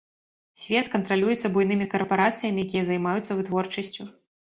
Свет кантралюецца буйнымі карпарацыямі, якія займаюцца вытворчасцю.